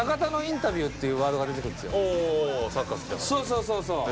そうそうそうそう。